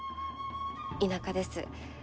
田舎です。